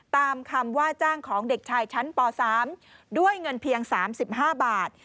ตามคำว่าจ้างของเด็กชายชั้นป๓ด้วยเงินเพียง๓๕บาท